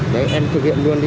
đấy em thực hiện luôn đi